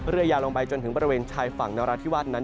เรือยาวลงไปจนถึงบริเวณชายฝั่งนราธิวาสนั้น